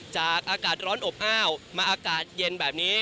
อากาศร้อนอบอ้าวมาอากาศเย็นแบบนี้